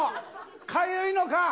かゆいのか？